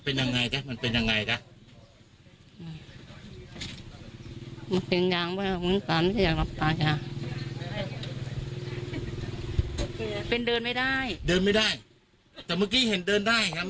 แข็งแข็งขาแล้วมีลงมีเลี่ยวมีแรงไหมจ๋าอะไรนะจ๋าเดิน